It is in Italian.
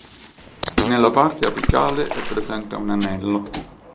Nella parte apicale è presente un anello.